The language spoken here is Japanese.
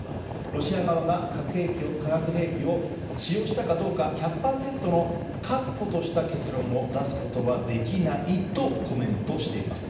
ロシア側が化学兵器を使用したかどうか１００％の確固とした結論を出すことはできないとコメントしています。